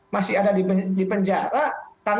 masih ada di penyelenggaraan